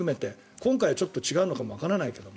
今回は違うのかもわからないけど。